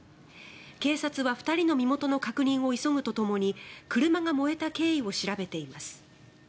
警察は２人の身元の確認を急ぐとともに車が燃えた経緯を調べています。